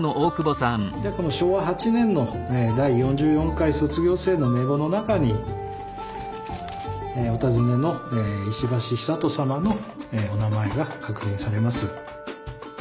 でこの昭和８年の第四十四回卒業生の名簿の中にお尋ねの石橋久渡様のお名前が確認されます。